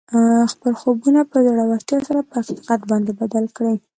خپل خوبونه په زړورتیا سره پر حقیقت باندې بدل کړئ